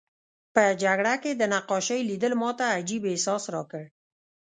په جګړه کې د نقاشۍ لیدل ماته عجیب احساس راکړ